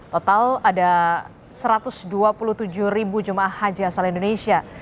total ada satu ratus dua puluh tujuh ribu jemaah haji asal indonesia